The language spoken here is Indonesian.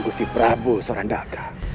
gusti prabu sorandaka